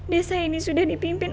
desa ini sudah dipimpin